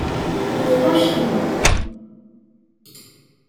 On n’est pas chez nous.